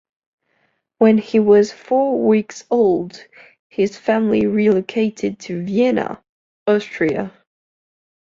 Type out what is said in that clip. When he was four weeks old, his family relocated to Vienna, Austria.